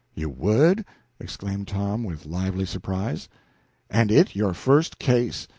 "You would?" exclaimed Tom, with lively surprise. "And it your first case!